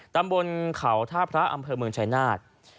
ตามบนเขาท่าพระอำเพลิงเมืองชัยนาธิ์